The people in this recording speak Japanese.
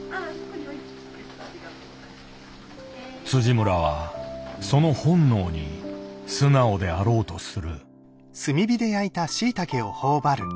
村はその本能に素直であろうとする。